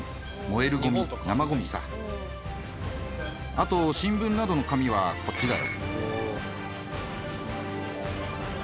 あと新聞などの紙はこっちだよ。